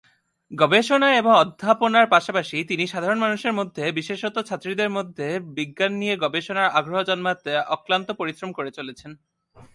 গবেষণা এবং অধ্যাপনার পাশাপাশি তিনি সাধারণ মানুষের মধ্যে, বিশেষত ছাত্রীদের মধ্যে বিজ্ঞান নিয়ে গবেষণার আগ্রহ জন্মাতে অক্লান্ত পরিশ্রম করে চলেছেন।